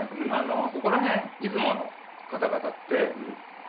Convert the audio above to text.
ここら辺出雲の方々って出雲そば。